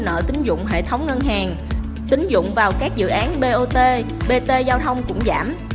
nợ tính dụng hệ thống ngân hàng tính dụng vào các dự án bot bt giao thông cũng giảm